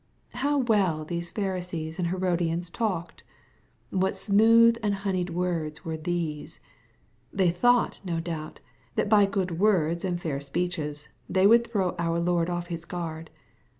How well these Pharisees and He rodians talked I What smooth and honeyed words were these ! They thought, no doubt, that by good words and fair speeches they would throw our Lord off His gua^d.